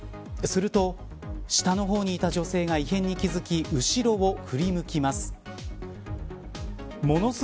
すると、下の方にいた女性が異変に気付き後ろを振り向きます。